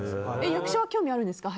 役者は興味あるんですか？